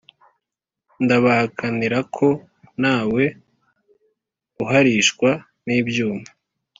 ndabahakanira ko ntawe uharishwa n'ibyuma